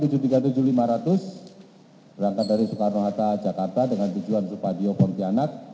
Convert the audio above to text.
berangkat dari soekarno hatta jakarta dengan tujuan supadio pontianak